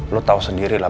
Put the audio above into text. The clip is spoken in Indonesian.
lu tau sendiri lah